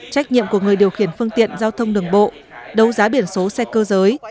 trách nhiệm của người điều khiển phương tiện giao thông đường bộ đấu giá biển số xe cơ giới